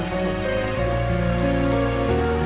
terima kasih mama